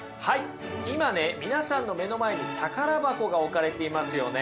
今ね皆さんの目の前に宝箱が置かれていますよね。